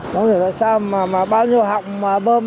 nói chung là sao mà bao nhiêu hạng bơm